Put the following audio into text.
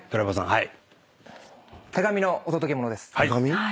はい。